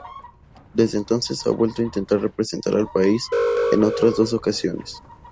Desde entonces ha vuelto a intentar representar al país en otras dos ocasiones.